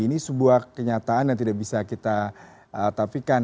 ini sebuah kenyataan yang tidak bisa kita tapikan